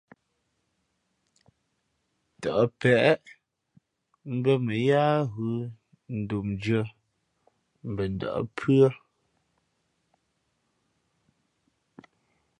Tαʼ peʼe mbᾱ mα yáá ghʉ̌ ndómndʉ̄ᾱ mbα ndα̌ʼ pʉ́ά.